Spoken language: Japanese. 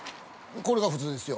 これが普通ですよ。